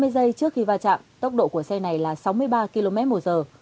hai mươi giây trước khi va chạm tốc độ của xe này là sáu mươi ba km một giờ